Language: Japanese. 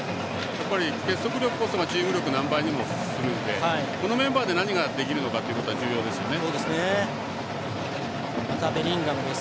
結束力こそがチーム力を何倍にもするのでこのメンバーで何ができるのかっていうのは重要ですね。